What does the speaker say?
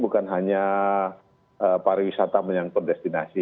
bukan hanya pariwisata menyangkut destinasi